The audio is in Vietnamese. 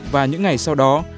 và những ngày sau đó